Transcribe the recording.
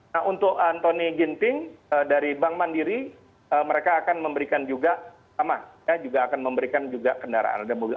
nah untuk antoni ginting dari bank mandiri mereka akan memberikan juga sama ya juga akan memberikan juga kendaraan